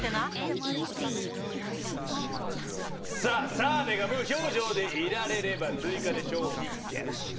⁉澤部が無表情でいられれば追加で商品ゲット。